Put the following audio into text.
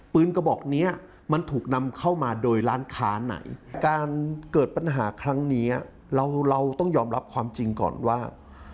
กระบอกเนี้ยมันถูกนำเข้ามาโดยร้านค้าไหนการเกิดปัญหาครั้งนี้เราเราต้องยอมรับความจริงก่อนว่า